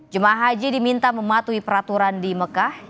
jemaah haji diminta mematuhi peraturan di mekah